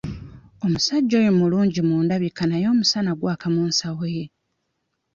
Omusajja oyo mulungi mu ndabika naye omusana gwaka mu nsawo ye.